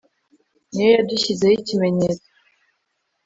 Ni yo yadushyizeho ikimenyetso,